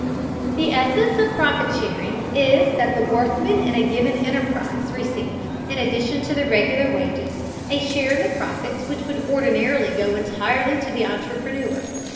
The essence of profit sharing is that the workmen in a given enterprise receive, in addition to their regular wages, a share in the profits which would ordinarily go entirely to the entrepreneur.